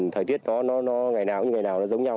thời tiết nó ngày nào cũng như ngày nào nó giống nhau